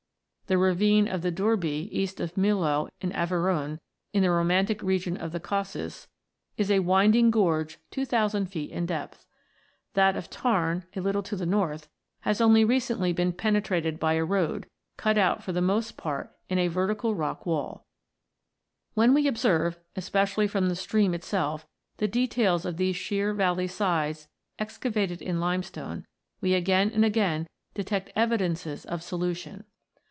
The ravine of the Dourbie, east of Millau in. Aveyron, in the romantic region of the Gausses, is a winding gorge two thousand feet in depth (Fig. 2). That of the Tarn, a little to the north, has only recently been penetrated by a road, cut out for the most part in a vertical rock wall. When we observe, especially from the stream it self, the details of these sheer valley sides excavated in limestone, we again and again detect evidences of solution.